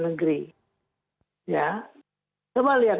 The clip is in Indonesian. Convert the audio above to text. terima kasih pak